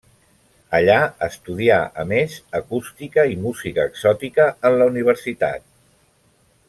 Allà estudià a més, acústica i música exòtica en la Universitat.